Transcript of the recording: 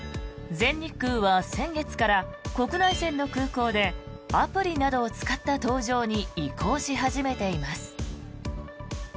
全日空は先月から国内線の空港でアプリなどを使った搭乗に移行し始めています。